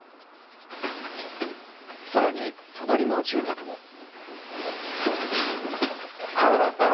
さらに、隣の住宅も。